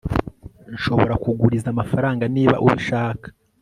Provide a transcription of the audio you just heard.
nshobora kuguriza amafaranga niba ubishaka